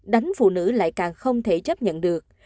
đánh phụ nữ lại càng không thể chấp nhận được